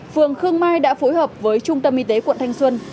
phường khương mai đã phối hợp với trung tâm y tế quận thanh xuân